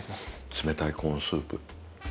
冷たいコーンスープ。